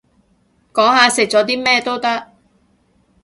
講下食咗啲咩都得